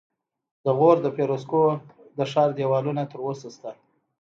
د غور د فیروزکوه د ښار دیوالونه تر اوسه شته